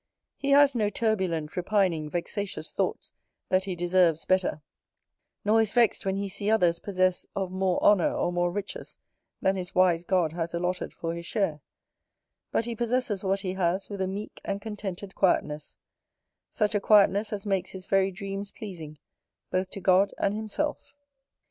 He has no turbulent, repining, vexatious thoughts that he deserves better; nor is vext when he see others possess of more honour or more riches than his wise God has allotted for his share: but he possesses what he has with a meek and contented quietness, such a quietness as makes his very dreams pleasing, both to God and himself.